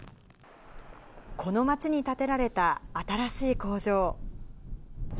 この町に建てられた新しい工場。